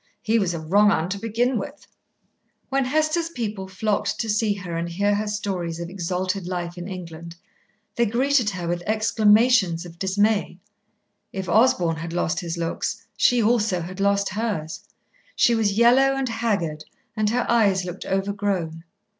He was a wrong'un to begin with." When Hester's people flocked to see her and hear her stories of exalted life in England, they greeted her with exclamations of dismay. If Osborn had lost his looks, she also had lost hers. She was yellow and haggard, and her eyes looked over grown.